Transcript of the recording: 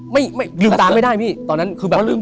ไม่ไม่ลืมตาไม่ได้พี่ตอนนั้นคือแบบลืม